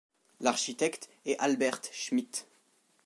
L'architecte est Albert Schmidt.